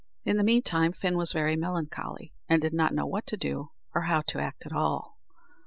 In the meantime, Fin was very melancholy, and did not know what to do, or how to act at all.